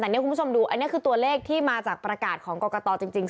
แต่นี่คุณผู้ชมดูอันนี้คือตัวเลขที่มาจากประกาศของกรกตจริง